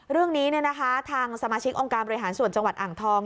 เรื่องนี้ทางสมาชิกองค์การบริหารส่วนจังหวัดอ่างทอง